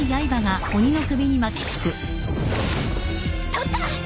取った！